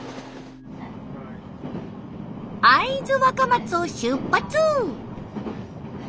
会津若松を出発！